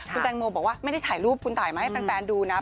คุณแตงโมบอกว่าไม่ได้ถ่ายรูปคุณตายมาให้แฟนดูนะ